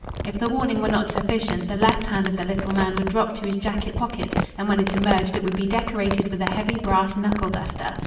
If the warning were not sufficient the left hand of the little man would drop to his jacket pocket, and when it emerged it would be decorated with a heavy brass knuckle duster.